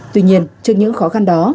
tuy nhiên trước những khó khăn đó